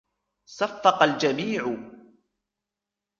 صفق الجميع.